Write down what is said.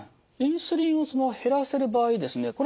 インスリンを減らせる場合ですね